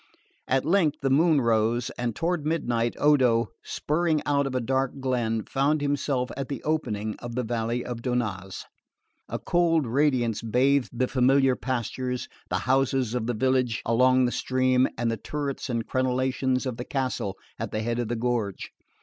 At length the moon rose, and toward midnight Odo, spurring out of a dark glen, found himself at the opening of the valley of Donnaz. A cold radiance bathed the familiar pastures, the houses of the village along the stream, and the turrets and crenellations of the castle at the head of the gorge.